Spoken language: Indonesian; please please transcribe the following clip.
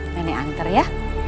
nenek antar ya